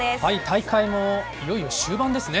大会もいよいよ終盤ですね。